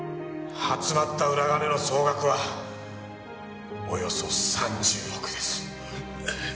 集まった裏金の総額はおよそ３０億です。